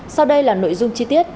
sau đây là nội dung chi tiết